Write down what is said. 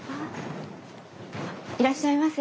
いらっしゃいませ。